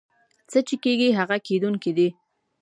څه چې کېږي هغه کېدونکي دي.